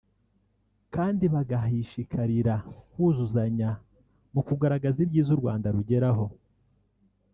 kandi bagahishikarira kuzuzanya mu kugaragaza ibyiza u Rwanda rugeraho